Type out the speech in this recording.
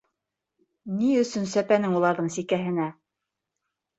Ни өсөн сәпәнең уларҙың сикәһенә?